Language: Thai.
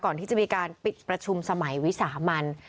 ก่อนที่จะมีการปิดประชุมสมัยวิสามัน